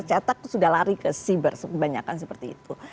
cetak sudah lari ke cyber sebanyak seperti itu